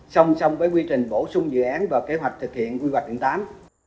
song song với quy trình bổ sung dự án và kế hoạch thực hiện quy hoạch điện tám